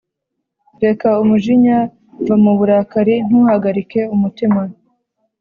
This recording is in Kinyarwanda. Reka umujinya, va mu burakari, ntuhagarike umutima